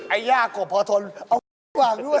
ไอ่หญ้ากบพอทนเอาเหี้ยว้างด้วย